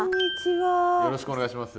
よろしくお願いします。